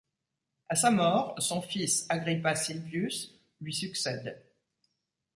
À sa mort, son fils, Agrippa Silvius, lui succède.